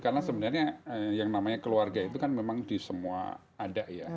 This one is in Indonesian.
karena sebenarnya yang namanya keluarga itu kan memang di semua ada ya